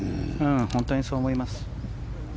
本当にそう思います。